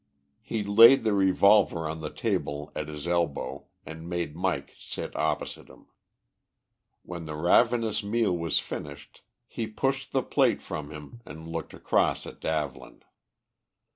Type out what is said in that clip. He laid the revolver on the table at his elbow, and made Mike sit opposite him. When the ravenous meal was finished, he pushed the plate from him and looked across at Davlin.